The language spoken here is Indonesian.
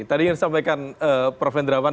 tadi ingin sampaikan prof endrawan